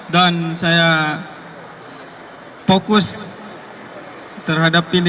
dan saya fokus terhadap pines